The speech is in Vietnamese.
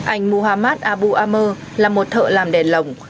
anh muhammad abu ammer là một thợ làm đèn lồng